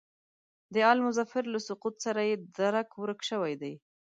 د آل مظفر له سقوط سره یې درک ورک شوی دی.